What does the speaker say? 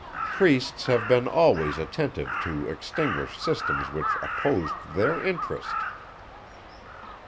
Priests have been always attentive to extinguish systems which opposed their interest.